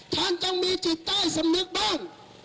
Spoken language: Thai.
ท่านจงมีจิตใต้สำนึกบ้าง